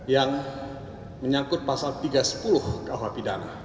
yang menyangkut pasal tiga ratus sepuluh kuhp